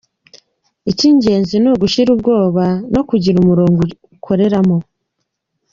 Icy’ingenzi ni ugushira ubwoba no kugira umurongo ukoreramo.